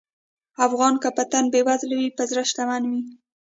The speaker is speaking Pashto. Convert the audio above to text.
افغان که په تن بېوزله وي، په زړه شتمن وي.